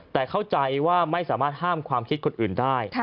แต่เข้าใจว่าไม่สามารถห้ามความคิดคนอื่นได้